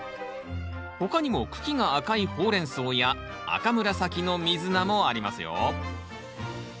他にも茎が赤いホウレンソウや赤紫のミズナもありますよ。